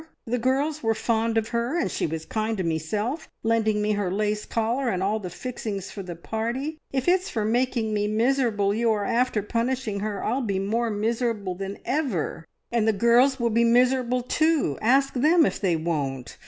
The girls were fond of her, and she was kind to meself, lending me her lace collar and all the fixings for the party. If it's for making me miserable you are after punishing her, I'll be more miserable than ever, and the girls will be miserable too ask them if they won't!